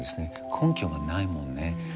根拠がないもんね。